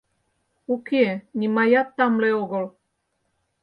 Уке, нимаят тамле огыл.